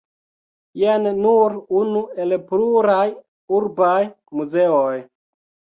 Jen nur unu el pluraj urbaj muzeoj.